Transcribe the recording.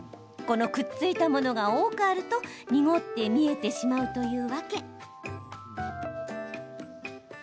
このくっついたものが多くあると濁って見えてしまうんです。